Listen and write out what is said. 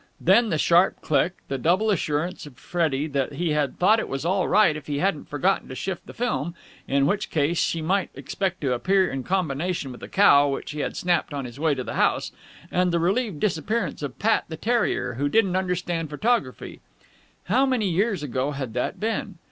Then the sharp click, the doubtful assurance of Freddie that he thought it was all right if he hadn't forgotten to shift the film (in which case she might expect to appear in combination with a cow which he had snapped on his way to the house), and the relieved disappearance of Pat, the terrier, who didn't understand photography. How many years ago had that been?